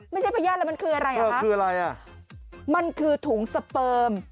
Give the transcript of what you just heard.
ไม่ใช่พยาธิแล้วมันคืออะไรครับมันคือถุงสเปิร์ม